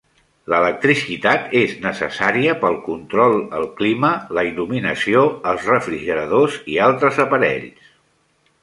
L'electricitat és necessària pel control el clima, la il·luminació, els refrigeradors i altres aparells.